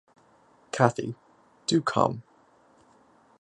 Cathy, do come.